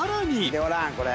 見てごらんこれ。